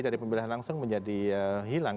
dari pemilihan langsung menjadi hilang